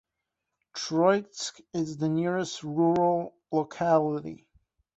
Troitsk is the nearest rural locality.